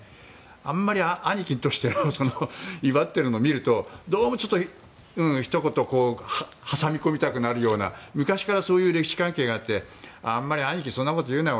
あまり、兄貴として威張っているのを見るとどうもひと言挟み込みたくなるような昔からそういう歴史関係があってあまり兄貴、そんなこと言うなよ